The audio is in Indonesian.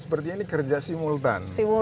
sepertinya ini kerja simultan